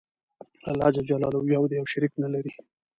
الله ج یو دی او شریک نلری.